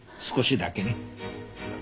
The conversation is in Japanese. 少しだけね。